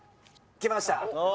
きました！